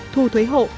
thu thuế hộ